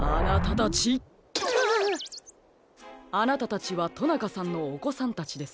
あなたたちはとなかさんのおこさんたちですね。